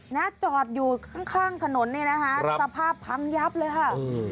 หน้าจอดอยู่ข้างถนนสภาพพังยับเลยค่ะ